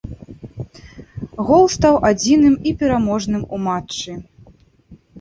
Гол стаў адзіным і пераможным у матчы.